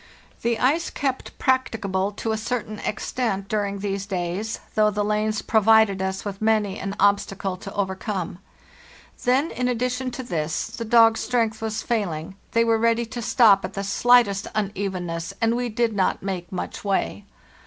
The ice kept practicable to a certain extent during these days, though the lanes provided us with many an obstacle to overcome. Then, in addition to this, the dogs' strength was failing, they were ready to stop at the slightest unevenness, and we did not make much way.